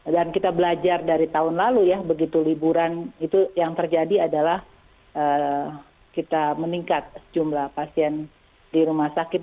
dan kita belajar dari tahun lalu ya begitu liburan itu yang terjadi adalah kita meningkat jumlah pasien di rumah sakit